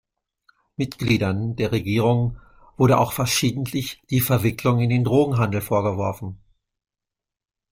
Mitgliedern der Regierung wurde auch verschiedentlich die Verwicklung in den Drogenhandel vorgeworfen.